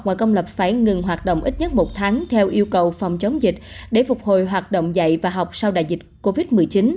ngoài công lập phải ngừng hoạt động ít nhất một tháng theo yêu cầu phòng chống dịch để phục hồi hoạt động dạy và học sau đại dịch covid một mươi chín